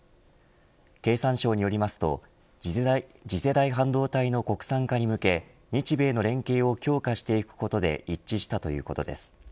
経産省によりますと次世代半導体の国産化に向け日米の連携を強化していくことで一致したということです。